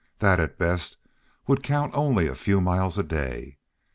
That, at best, would count only a few miles a day.